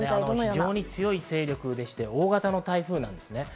非常に強い勢力でして、大型の台風なんです。